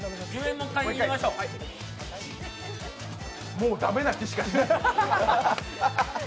もうだめな気しかしない！